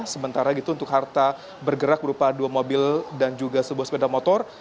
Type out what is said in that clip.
sementara gitu untuk harta bergerak berupa dua mobil dan juga sebuah sepeda motor